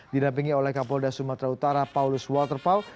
dirampingi oleh kapolda sumatera utara paulus walterpao